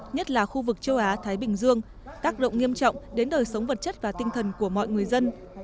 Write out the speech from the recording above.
nhất là khu vực châu á thái bình dương tác động nghiêm trọng đến đời sống vật chất và tinh thần của mọi người dân